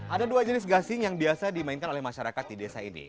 ada dua jenis gasing yang biasa dimainkan oleh masyarakat di desa ini